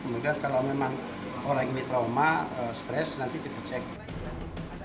kemudian kalau memang orang ini trauma stres nanti kita cek